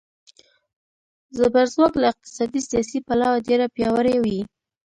زبرځواک له اقتصادي، سیاسي پلوه ډېر پیاوړي وي.